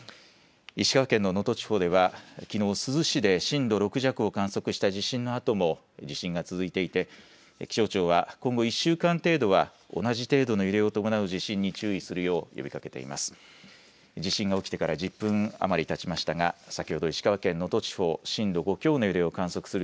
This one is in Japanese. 石川県の能登地方ではきのう珠洲市で震度６弱を観測した地震のあとも地震が続いていて気象庁は今後１週間程度は同じ程度の揺れを伴う地震に注意するよう呼びかけています。